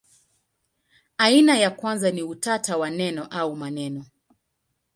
Aina ya kwanza ni utata wa neno au maneno.